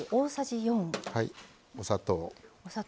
お砂糖。